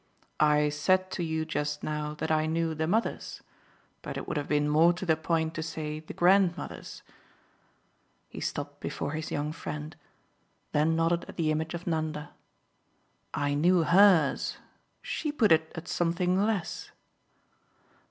"I said to you just now that I knew the mothers, but it would have been more to the point to say the grandmothers." He stopped before his young friend, then nodded at the image of Nanda. "I knew HERS. She put it at something less."